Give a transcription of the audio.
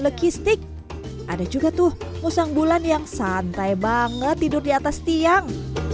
lukistik ada juga tuh musang bulan yang santai banget tidur di atas tiang